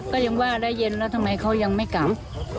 ก็ยังว่าได้เย็นแล้วทำไมเขายังไม่กลับ